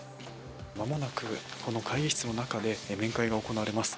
間もなくこの会議室の中で面談が行われます。